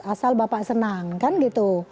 asal bapak senang kan gitu